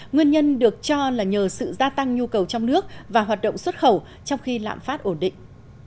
nguyên nhân được cho là nhờ sự gia tăng nhu cầu trong nước và hoạt động xuất khẩu trong khi lạm phát ổn định